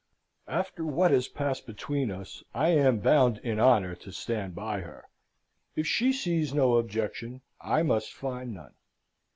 After what has passed between us, I am bound in honour to stand by her. If she sees no objection, I must find none.